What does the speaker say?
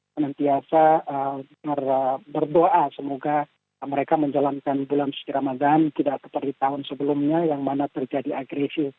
senantiasa berdoa semoga mereka menjalankan bulan suci ramadan tidak seperti tahun sebelumnya yang mana terjadi agresif